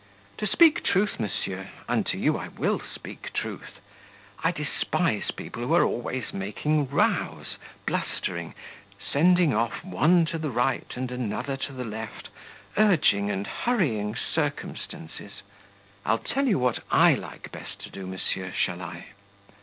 To speak truth, monsieur (and to you I will speak truth), I despise people who are always making rows, blustering, sending off one to the right, and another to the left, urging and hurrying circumstances. I'll tell you what I like best to do, monsieur, shall I?"